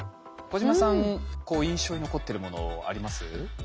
小島さん印象に残ってるものあります？